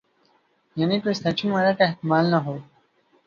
یعنی کوئی سلیکشن وغیرہ کا احتمال نہ ہو۔